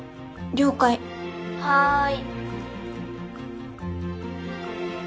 了解はい。